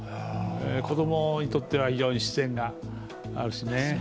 子供にとっては、非常に自然があるしね。